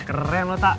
keren lo tak